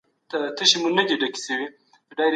مشران هم انسانان دي او کيدای سي اشتباه وکړي.